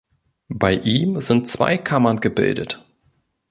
Bei ihm sind zwei Kammern gebildet.